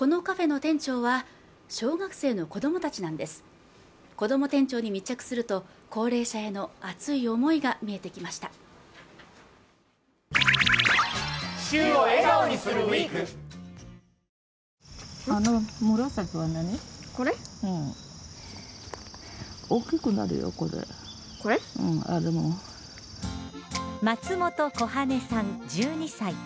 店長に密着すると高齢者への熱い思いが見えてきました松本恋羽さん１２歳